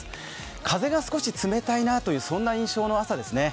風が少し冷たいなという印象の朝ですね。